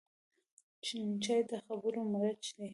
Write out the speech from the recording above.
چای د خبرو مرچ دی